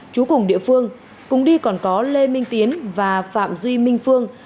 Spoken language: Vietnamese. chú cùng địa phương cùng đi còn có lê minh tiến và phạm duy minh phương